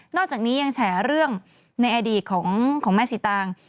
อกจากนี้ยังแฉเรื่องในอดีตของแม่สีตาง